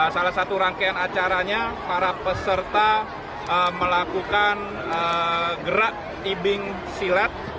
salah satu rangkaian acaranya para peserta melakukan gerak ibing silat